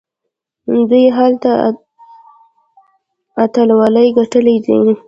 دوی هلته اتلولۍ ګټلي دي.